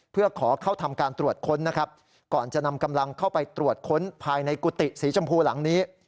เพื่อขอเข้าทำการตรวจค้นนะครับก่อนจะนำกำลังเข้าไปตรวจค้นภายในกุฏิสีชมพูหลังนี้